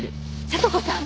里子さん！